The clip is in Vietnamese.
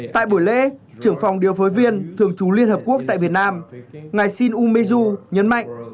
tại buổi lễ trưởng phòng điều phối viên thường trú liên hợp quốc tại việt nam ngài shin umeju nhấn mạnh